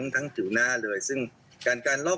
ทั้งผิวหน้าเลยซึ่งการการลอบ